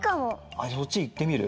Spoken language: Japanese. あっそっちいってみる？